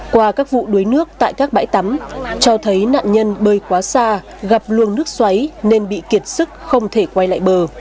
qua các vụ đuối nước tại các bãi tắm cho thấy nạn nhân bơi quá xa gặp luôn nước xoáy nên bị kiệt sức không thể quay lại bờ